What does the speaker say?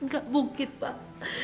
gak mungkin pak